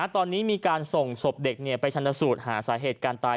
ตอนนี้มีการส่งศพเด็กไปชนสูตรหาสาเหตุการตาย